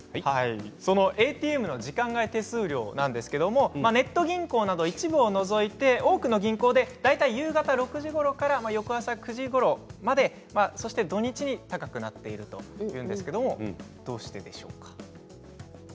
そのＡＴＭの時間外手数料なんですけれどもネット銀行など一部を除いて多くの銀行で大体夕方６時ごろから翌朝９時ごろまでそして土日に高くなっているというんですけれどもどうしてでしょうか？